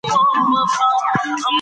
دغه کتاب په فرانسوي ژبه هم ژباړل سوی دی.